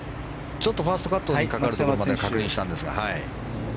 ちょっとファーストカットにかかるところまでは確認したんですが。